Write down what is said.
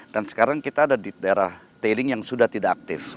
dan sekarang kita ada di daerah tailing yang sudah tidak aktif